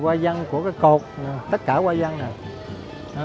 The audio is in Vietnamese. hoa văn của cái cột tất cả hoa văn này